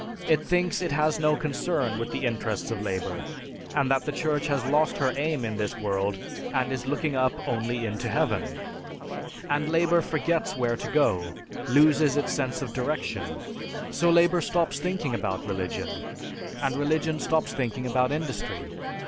It thinks it has no concern with the interests of labor; and that the Church has lost her aim in this world and is looking up only into heaven. And labor forgets where to go, loses its sense of direction. So labor stops thinking about religion, and religion stops thinking about industry.